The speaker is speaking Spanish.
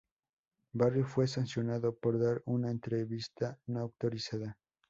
Barry fue sancionado por dar una entrevista no autorizada.